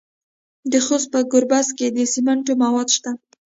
د خوست په ګربز کې د سمنټو مواد شته.